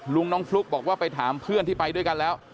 น้องฟลุ๊กบอกว่าไปถามเพื่อนที่ไปด้วยกันแล้ว